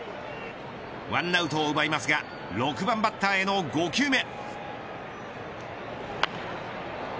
１アウトを奪いますが６番バッターへの５球目。